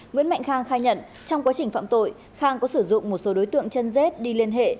nguyễn mạnh khang khai nhận trong quá trình phạm tội khang có sử dụng một số đối tượng chân rết đi liên hệ